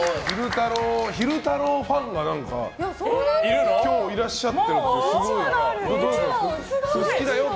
昼太郎ファンが何か今日いらっしゃってるって。